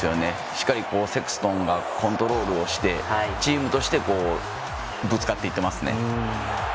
しっかりセクストンがコントロールをしてチームとしてぶつかっていってますね。